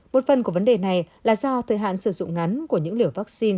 một phần của vấn đề này là do thời hạn sử dụng ngắn của những liều vaccine